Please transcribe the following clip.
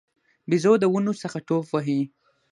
بیزو د ونو څخه ټوپ وهي.